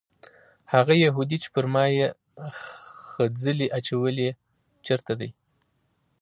هغه یهودي چې پر ما یې خځلې اچولې چېرته دی؟